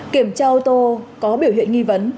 kiểm tra ô tô có biểu hiện nghi vấn